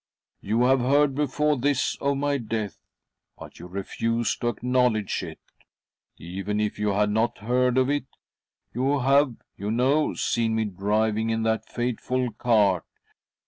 You have heard before this of my death, but you refuse to acknowledge it. Even if you had not heard of it, you have, you know, seen me driving in that fateful cart.